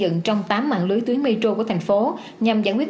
dự án được xây dựng trong tám mạng lưới tuyến metro của thành phố nhằm giải quyết